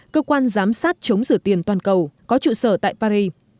cơ quan giám sát chống rửa tiền toàn cầu có trụ sở tại paris